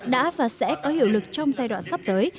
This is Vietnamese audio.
đã và sẽ có hiệu lực trong giai đoạn sắp tới